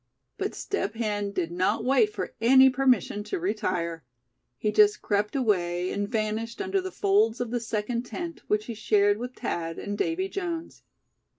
But Step Hen did not wait for any permission to retire. He just crept away, and vanished under the folds of the second tent, which he shared with Thad and Davy Jones.